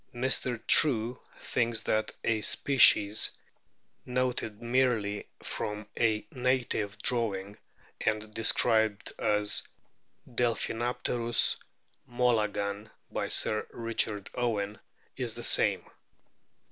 Mr. True thinks that a species, noted merely from a native drawing and described as Delpkinap terus mo lagan by Sir Richard Owen, is the same.